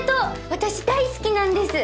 私大好きなんです。